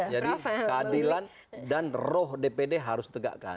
jadi keadilan dan roh dpd harus tegakkan